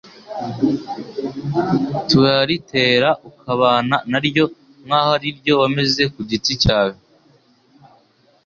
turaritera ukabana na ryo nk'aho ari iryo wameze ku giti cyawe